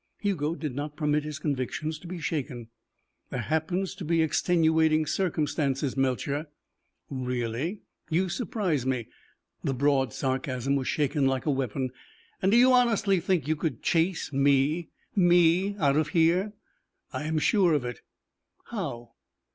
Hugo did not permit his convictions to be shaken. "There happen to be extenuating circumstances, Melcher." "Really? You surprise me." The broad sarcasm was shaken like a weapon. "And do you honestly think you could chase me me out of here?" "I am sure of it." "How?"